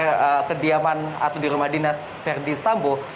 di kediaman atau di rumah dinas verdi sambo